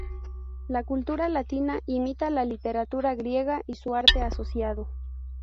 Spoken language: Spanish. La cultura latina imita la literatura griega y su arte asociado.